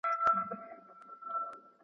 که مرغه وو که ماهی د ده په کار وو ,